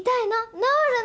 治るの？